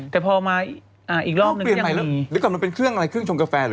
แต่พอมาอีกรอบเปลี่ยนใหม่แล้วเดี๋ยวก่อนมันเป็นเครื่องอะไรเครื่องชงกาแฟหรือ